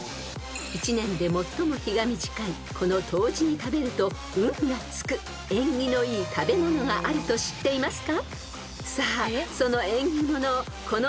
［一年で最も日が短いこの冬至に食べると運が付く縁起のいい食べ物があると知っていますか？］